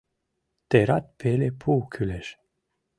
Терат пеле пу кӱлеш.